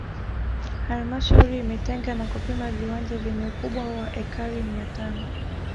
Halmashauri imetenga na kupima viwanja vyenye ukubwa wa ekari mia tano